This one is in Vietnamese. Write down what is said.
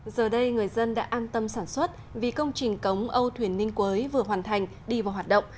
giờ đây người dân đã an tâm sản xuất vì công trình cống âu thuyền ninh quế vừa hoàn thành đi vào hoạt động